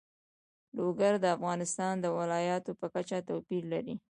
لوگر د افغانستان د ولایاتو په کچه توپیر لري.